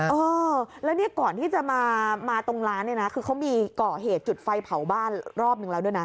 เออแล้วเนี่ยก่อนที่จะมาตรงร้านเนี่ยนะคือเขามีก่อเหตุจุดไฟเผาบ้านรอบนึงแล้วด้วยนะ